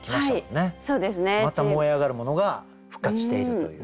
また燃え上がるものが復活しているという。